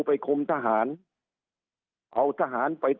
สุดท้ายก็ต้านไม่อยู่